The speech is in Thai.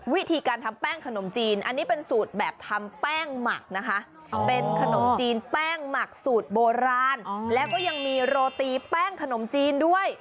วิธีการทำแป้งขนมจีนอันนี้เป็นสูตรแบบทำแป้งหมักนะคะเป็นขนมจีนแป้งหมักสูตรโบราณแล้วก็ยังมีโรตีแป้งขนมจีนด้วย